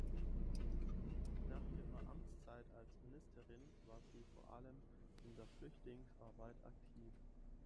Nach ihrer Amtszeit als Ministerin war sie vor allem in der Flüchtlingsarbeit aktiv.